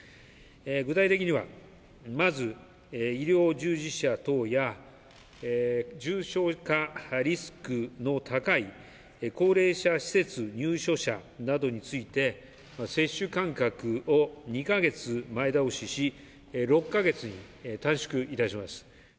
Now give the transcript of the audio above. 具体的には、まず医療従事者等や重症化リスクの高い高齢者施設入所者などについて、接種間隔を２か月前倒しし、６か月に短縮いたします。